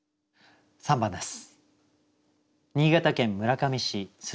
３番です。